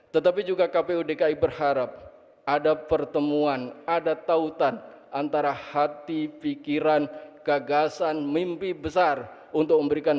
tetapi juga kpu dki berharap ada pertemuan ada tautan antara hati pikiran kegagasan mimpi dan keinginan